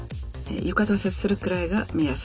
床と接するくらいが目安です。